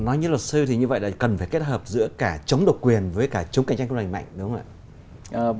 nói như luật sư thì như vậy là cần phải kết hợp giữa cả chống độc quyền với cả chống cạnh tranh không lành mạnh đúng không ạ